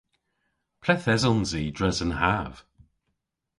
Ple'th esons i dres an hav?